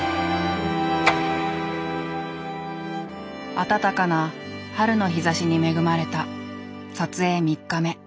暖かな春の日ざしに恵まれた撮影３日目。